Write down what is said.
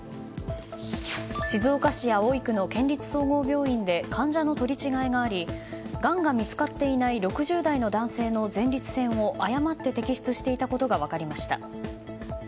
静岡市葵区の県立総合病院で患者の取り違えがありがんが見つかっていない６０代の男性の前立腺を誤って摘出していたことが分かりました。